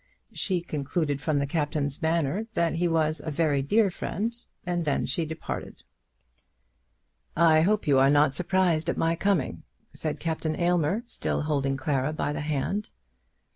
She concluded from the Captain's manner that he was a very dear friend, and then she departed. "I hope you are not surprised at my coming," said Captain Aylmer, still holding Clara by the hand.